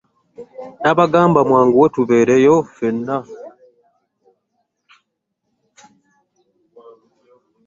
Nabagamba mwanguye tubeereyo ffenna.